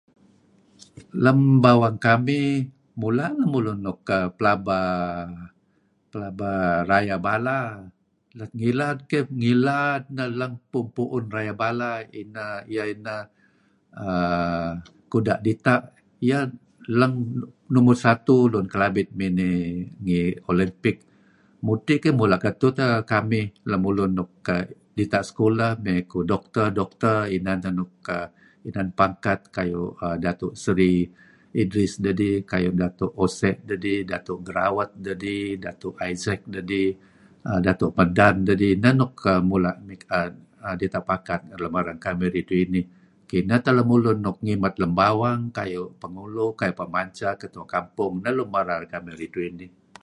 Lem bawang kamih mula' lemlun nuk pelaba, rayeh bala. Lat ngilad keyh ngilad neh lat puun-puun rayeh bala ineh, iyeh ineh Kuda' Dita' . Iyeh leng numur satu Lun Kelabit miney ngi Olympic. Mudtih keyh mula' ketuh teh kamih lun nuk dita' sekolah kuh doctor-doctor inan teh nuk kayu' Datuk Sri Idris dedih, kayu' Datu Ose, YB Datuk Gerawat, Dato Isaac dedih, kidih Dato Medan dedih. Ineh nuk mula' dita' pakat ngen kamih ridtu' inih. Kineh teh lemulun nuk ngimet lem bang kayu' Prngulo', kayu' Pemamca, kayu' Ketua Kampong. Neh Lun Merar kamih ridtu' inih.